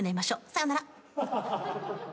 さよなら。